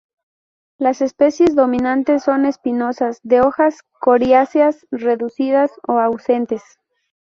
Las especies dominantes son espinosas, de hojas coriáceas, reducidas o ausentes.